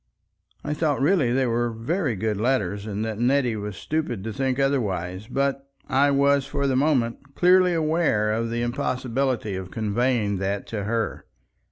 I thought really they were very good letters, and that Nettie was stupid to think otherwise, but I was for the moment clearly aware of the impossibility of conveying that to her.